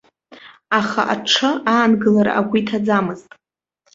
Аха аҽы аангылара агәы иҭаӡамызт.